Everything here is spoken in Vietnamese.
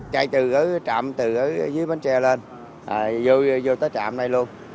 chạy từ trạm từ dưới bến tre lên vô tới trạm đây luôn